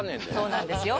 そうなんですよ。